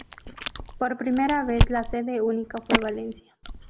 Por primera vez la sede única fue Valencia.